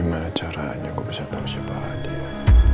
gimana caranya gue bisa tau siapa adia